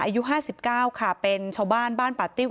อายุห้าสิบเก้าค่ะเป็นชาวบ้านบ้านป่าเตี้ยว